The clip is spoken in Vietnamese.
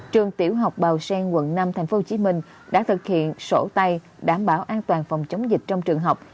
trường tiểu học bào sen quận năm thành phố hồ chí minh đã thực hiện sổ tay đảm bảo an toàn phòng chống dịch trong trường học